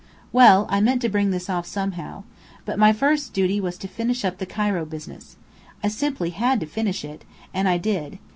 "Well, I meant to bring this off somehow. But my first duty was to finish up the Cairo business. I simply had to finish it, and I did.